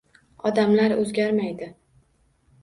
Odamlar o’zgarmaydi